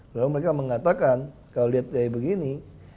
lalu mereka mengatakan kalau lihat dari begini